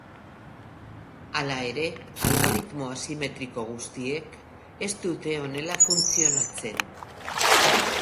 Hala ere, algoritmo asimetriko guztiek ez dute honela funtzionatzen.